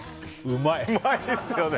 うまい！